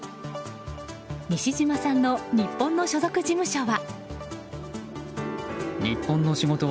西島さんの日本の所属事務所は。